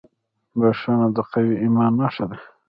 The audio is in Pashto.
• بښنه د قوي ایمان نښه ده.